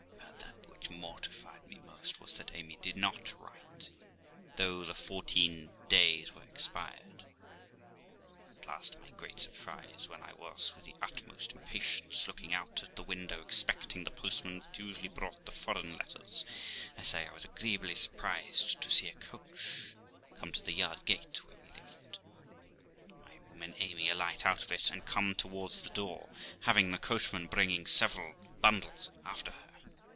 But that which mortified me most was, that Amy did not write, though the fourteen days were expired. At last, to my great surprise, when I was, with the utmost impatience, looking out at the window, expecting the postman that usually brought the foreign letters I say I was agreeably surprised to see a coach come to the yard gate where we lived, and my woman Amy alight out of it and come towards the door, having the coachman bringing several bundles after her.